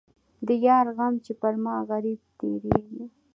د یار غمه چې پر ما غريب تېرېږي.